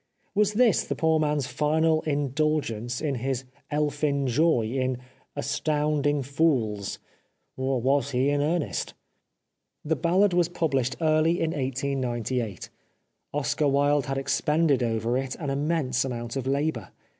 Was this the poor man's final indulgence in his elfin joy in " astounding fools/' or was he in earnest ? The Ballad was published early in 1898. Oscar Wilde had expended over it an immense amount of labour.